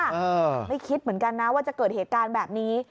ไม่คิดเหมือนกันนะว่าจะเกิดเหตุการณ์แบบนี้